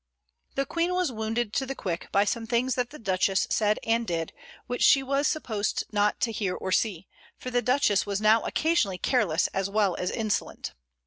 The Queen was wounded to the quick by some things that the Duchess said and did, which she was supposed not to hear or see; for the Duchess was now occasionally careless as well as insolent.